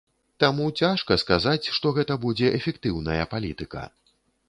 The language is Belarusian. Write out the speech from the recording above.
Таму цяжка сказаць, што гэта будзе эфектыўная палітыка.